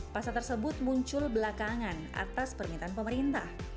pasal tersebut muncul belakangan atas permintaan pemerintah